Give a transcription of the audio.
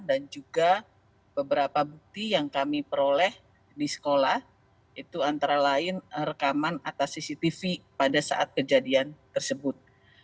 dan juga beberapa bukti yang kami peroleh di sekolah itu antara lain rekaman atas cctv pada saat kejadian tersebut